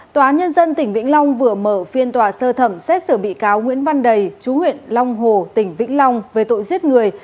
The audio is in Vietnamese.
tòa nhân dân tỉnh vĩnh long vừa mở phiên tòa sơ thẩm xét xử bị cáo nguyễn văn đầy chú huyện long hồ tỉnh vĩnh long về tội giết người